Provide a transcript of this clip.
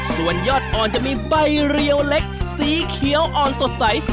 ส่วนยอดอ่อนจะมีใบเรียวเล็กสีเขียวอ่อนสดใส